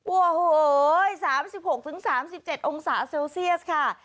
โอ้โหสามสิบหกถึงสามสิบเจ็ดองศาเซลเซลเซียสค่ะ